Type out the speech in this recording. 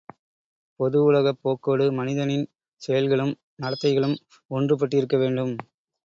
பொது உலகப் போக்கோடு மனிதனின் செயல்களும், நடத்தைகளும் ஒன்றுபட்டிருக்க வேண்டும்.